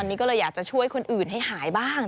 อันนี้ก็เลยอยากจะช่วยคนอื่นให้หายบ้าง